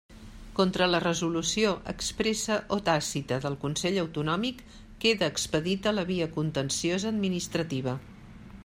Contra la resolució expressa o tàcita del Consell Autonòmic queda expedita la via contenciosa administrativa.